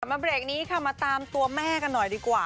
มาเบรกนี้ค่ะมาตามตัวแม่กันหน่อยดีกว่า